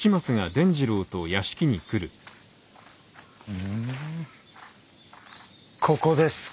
ふんここですか。